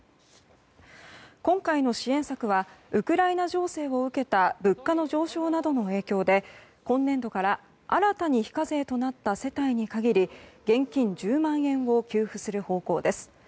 今回の支援策はウクライナ情勢を受けた物価の上昇などの影響で今年度から新たに非課税となった世帯に限り現金１０万円を給付する方向です。